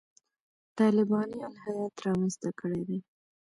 طالباني الهیات رامنځته کړي دي.